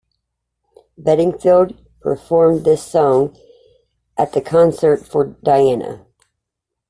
Bedingfield performed this song at the Concert for Diana.